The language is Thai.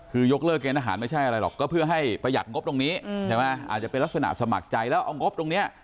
คือยกเลิกเกณฑหารไม่ใช่อะไรหรอกก็เพื่อให้ประหยัดงบตรงนี้ใช่ไหมอาจจะเป็นลักษณะสมัครใจแล้วเอางบตรงนี้